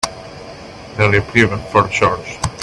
The reprieve for George.